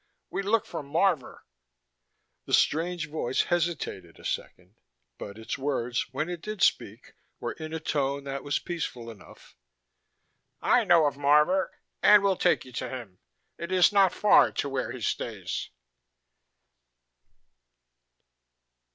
We look for Marvor." The strange voice hesitated a second, but its words, when it did speak, were in a tone that was peaceful enough. "I know of Marvor and will take you to him. It is not far to where he stays."